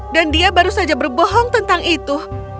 dan dia baru saja berbohong tentang itu